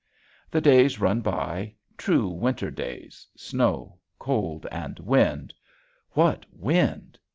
The days run by, true winter days, snow, cold, and wind, what wind!